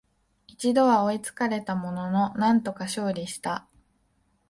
一度は追いつかれたものの、なんとか勝利した